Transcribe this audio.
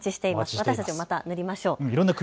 私たちも塗りましょう。